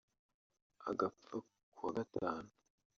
agapfa kuwa Gatanu